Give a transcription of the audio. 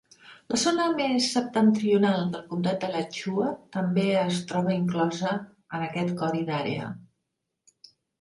La zona més septentrional del comtat d'Alachua també es troba inclosa en aquest codi d'àrea.